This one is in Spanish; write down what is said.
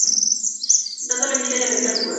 Dándole vida y alegría al pueblo.